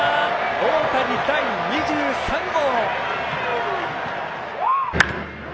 大谷、第２３号。